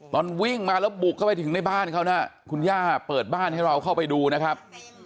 ตอนวิ่งมาแล้วบุกเข้าไปถึงในบ้านเขานะคุณย่าเปิดบ้านให้เราเข้าไปดูนะครับ